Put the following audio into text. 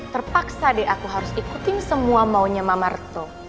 terpaksa deh aku harus ikutin semua maunya mama reto